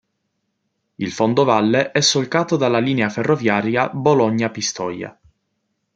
Il fondovalle è solcato dalla linea ferroviaria Bologna-Pistoia.